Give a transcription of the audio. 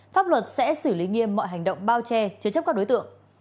pháp luật sẽ xử lý nghiêm mọi hành động bao che chứa chấp các đối tượng